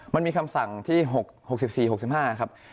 มันมีคำสั่งที่๖๔๖๕ครับ